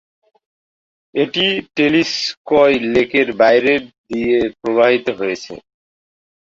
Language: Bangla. এটি টেলিটস্কয় লেকের বাইরে দিয়ে প্রবাহিত হয়েছে।